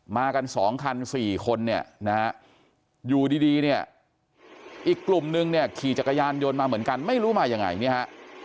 มากัน๒คัน๔คนเนี่ยนะฮะอยู่ดีเนี่ยอีกกลุ่มนึงเนี่ยขี่จักรยานยนต์มาเหมือนกันไม่รู้มายังไงเนี่ยฮะ